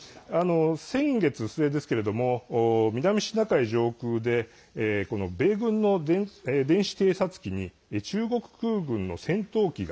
先月末ですけれども南シナ海上空で米軍の電子偵察機に中国空軍の戦闘機が